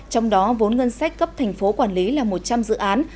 trong đó vốn ngân sách cấp tp quản lý là một trăm linh dự án